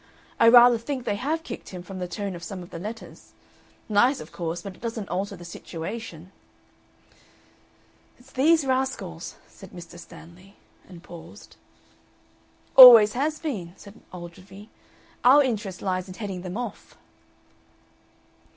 I rather think they have kicked him, from the tone of some of the letters. Nice, of course. But it doesn't alter the situation." "It's these Rascals," said Mr. Stanley, and paused. "Always has been," said Ogilvy. "Our interest lies in heading them off."